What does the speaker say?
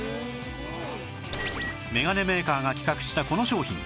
メガネメーカーが企画したこの商品